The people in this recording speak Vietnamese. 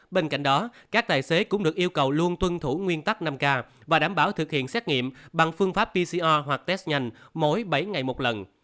bên cạnh đó các tài xế cũng được yêu cầu luôn tuân thủ nguyên tắc năm k và đảm bảo thực hiện xét nghiệm bằng phương pháp pcr hoặc test nhanh mỗi bảy ngày một lần